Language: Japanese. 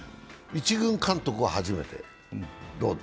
１軍監督は初めて。